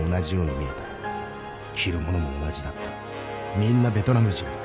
みんなベトナム人だ。